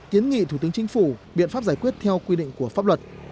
kiến nghị thủ tướng chính phủ biện pháp giải quyết theo quy định của pháp luật